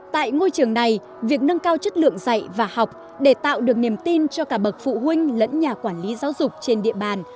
tại ngôi trường này việc nâng cao chất lượng dạy và học để tạo được niềm tin cho cả bậc phụ huynh lẫn nhà quản lý giáo dục trên địa bàn